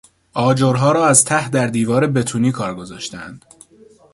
آجرها را از ته در دیوار بتونی کار گذاشتهاند.